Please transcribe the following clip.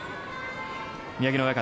宮城野親方